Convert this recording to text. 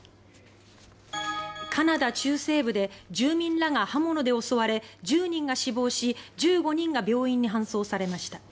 カナダ中西部で住民らが刃物で襲われ１０人が死亡し１５人が病院に搬送されました。